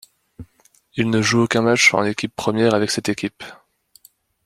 Il ne joue aucun match en équipe première avec cette équipe.